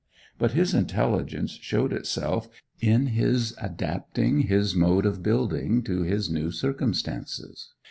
But his intelligence showed itself in his adapting his mode of building to his new circumstances.